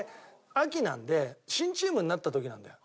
秋なんで新チームになった時なんだよ。